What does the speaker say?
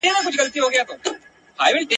ځئ چي ځو او روانیږو لار اوږده د سفرونو ..